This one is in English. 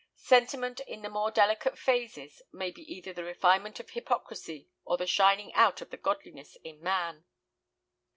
Sentiment in the more delicate phases may be either the refinement of hypocrisy or the shining out of the godliness in man.